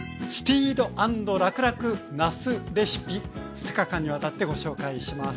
２日間にわたってご紹介します。